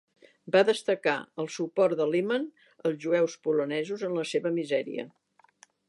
Va destacar el suport de Lehmann als jueus polonesos en la seva misèria.